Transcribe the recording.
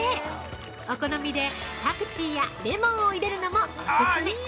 お好みでパクチーやレモンを入れるのもお勧め。